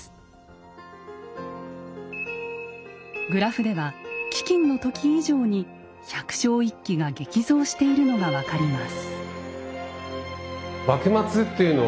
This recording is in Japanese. グラフでは飢きんの時以上に百姓一揆が激増しているのが分かります。